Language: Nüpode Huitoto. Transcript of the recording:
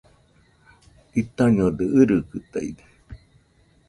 Jitaiñodɨ, irikɨtaide